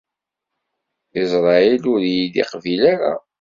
Isṛayil ur iyi-iqbil ara.